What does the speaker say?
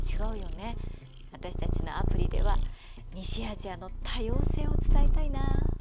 私たちのアプリでは西アジアの多様性を伝えたいな。